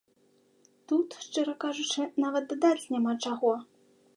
Тут, шчыра кажучы, нават дадаць няма чаго.